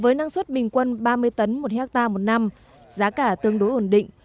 với năng suất bình quân ba mươi tấn một hectare một năm giá cả tương đối ổn định